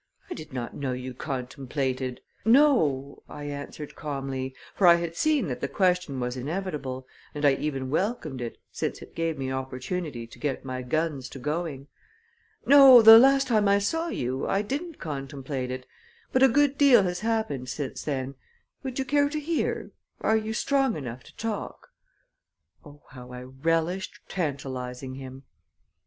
I did not know you contemplated " "No," I answered calmly, for I had seen that the question was inevitable and I even welcomed it, since it gave me opportunity to get my guns to going. "No; the last time I saw you, I didn't contemplate it, but a good deal has happened since then. Would you care to hear? Are you strong enough to talk?" Oh, how I relished tantalizing him!